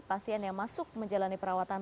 pasien yang masuk menjalani perawatan